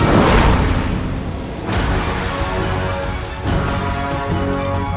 selamat tinggal puteraku